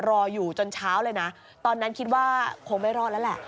รออยู่จนเช้าเลยนะตอนนั้นคิดว่าคงไม่รอดแล้วแหละ